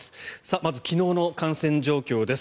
まず昨日の感染状況です。